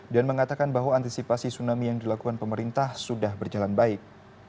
dan mengatakan bahwa antisipasi tsunami yang dilakukan pemerintah sudah berjalan baik